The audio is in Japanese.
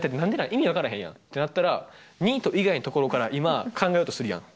意味分からへんやん」ってなったらニート以外のところから今考えようとするやん。